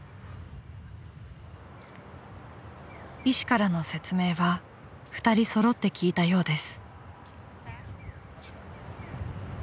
［医師からの説明は２人揃って聞いたようです］